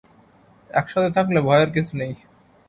একসাথে থাকলে ভয়ের কিছু নেই।